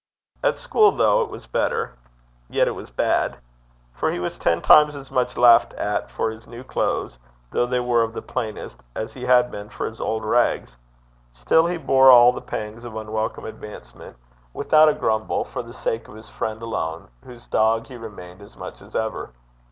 At school, though it was better, yet it was bad. For he was ten times as much laughed at for his new clothes, though they were of the plainest, as he had been for his old rags. Still he bore all the pangs of unwelcome advancement without a grumble, for the sake of his friend alone, whose dog he remained as much as ever.